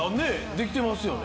できてますよね。